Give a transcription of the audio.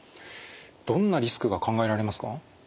どんなリスクが考えられますか？